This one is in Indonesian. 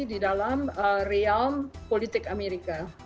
di dalam realm politik amerika